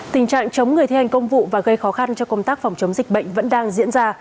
tình trạng chống người thi hành công vụ và gây khó khăn cho công tác phòng chống dịch bệnh vẫn đang diễn ra